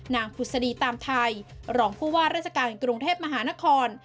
ผุศดีตามไทยรองผู้ว่าราชการกรุงเทพมหานคร